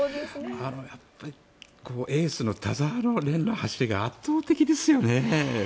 やっぱりエースの田澤廉の走りが圧倒的ですよね。